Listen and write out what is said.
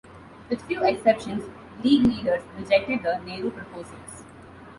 With few exceptions League leaders rejected the Nehru proposals.